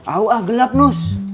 au ah gelap nus